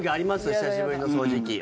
久しぶりの掃除機。